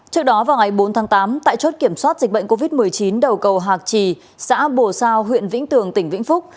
trước đó vào ngày bốn tháng tám tại chốt kiểm soát dịch bệnh covid một mươi chín đầu cầu hạc trì xã bồ sao huyện vĩnh tường tỉnh vĩnh phúc